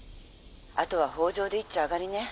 「あとは北条でいっちょ上がりね」。